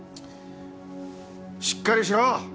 しっかりしろ！